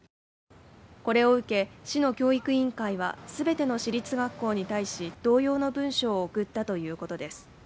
これを受け市の教育委員会はすべての市立学校に対し同様の文書を送ったということです